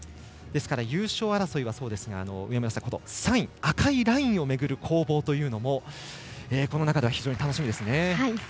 ですから、優勝争いは３位、赤いラインを巡る攻防というのもこの中では非常に楽しみですね。